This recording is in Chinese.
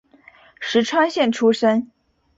石川县出身。